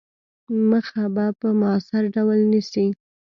مخه به په موثِر ډول نیسي.